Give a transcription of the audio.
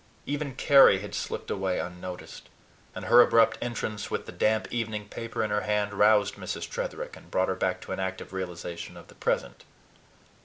Even Carry had slipped away unnoticed; and her abrupt entrance with the damp evening paper in her hand roused Mrs. Tretherick, and brought her back to an active realization of the present.